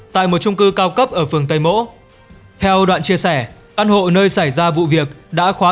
tại một trung cư cao cấp ở phường tây mỗ theo đoạn chia sẻ căn hộ nơi xảy ra vụ việc đã khóa